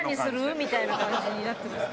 みたいな感じになってますけど。